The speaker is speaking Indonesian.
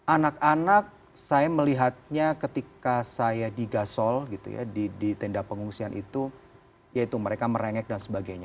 anak anak saya melihatnya ketika saya di gasol gitu ya di tenda pengungsian itu yaitu mereka merengek dan sebagainya